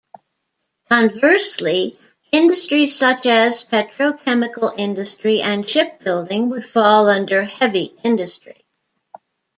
Conversely, industries such as petrochemical industry and shipbuilding would fall under heavy industry.